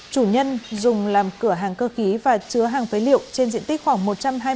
chủ nhân dùng làm cửa hàng cơ khí và chứa hàng phế liệu trên diện tích khoảng một trăm hai mươi